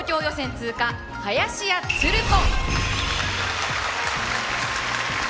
通過林家つる子。